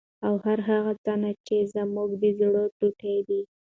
او هر هغه چا نه چې زما د زړه ټوټې دي،